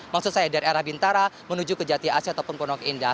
maksud saya dari arah bintara menuju ke jati asih ataupun pondok indah